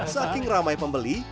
saking ramai pembeli